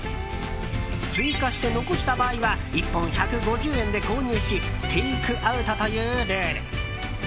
追加して残した場合は１本１５０円で購入しテイクアウトというルール。